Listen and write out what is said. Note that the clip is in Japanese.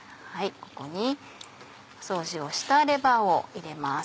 ここに掃除をしたレバーを入れます。